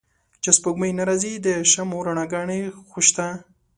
چې سپوږمۍ نه را ځي د شمعو رڼاګا نې خوشته